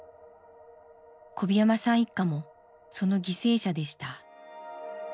小檜山さん一家もその犠牲者でした。